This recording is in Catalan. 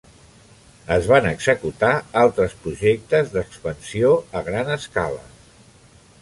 Es van executar altres projectes d'expansió a gran escala.